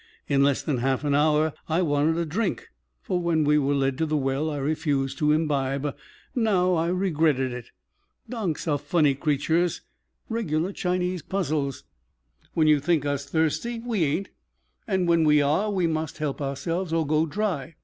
In less than a half hour I wanted a drink, for when we were led to the well I refused to imbibe; now I regretted it. Donks are funny creatures regular Chinese puzzles. When you think us thirsty we ain't, and when we are we must help ourselves, or go dry.